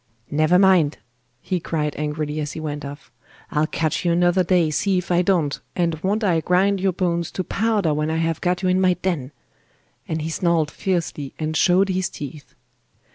'Never mind!' he cried angrily as he went off, 'I'll catch you another day, see if I don't, and won't I grind your bones to powder when I have got you in my den!' and he snarled fiercely and showed his teeth.